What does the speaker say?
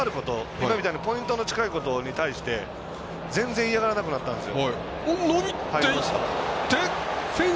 今みたいにポイントが近いことに対して全然、嫌がらなくなったんですよ。